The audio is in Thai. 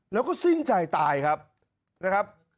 แล้วก็สิ้นใจตายครับ